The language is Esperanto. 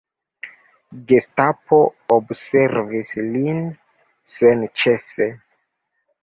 Gestapo observis lin senĉese.